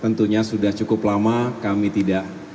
tentunya sudah cukup lama kami tidak